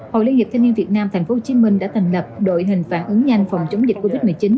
hội liên hiệp thanh niên việt nam tp hcm đã thành lập đội hình phản ứng nhanh phòng chống dịch covid một mươi chín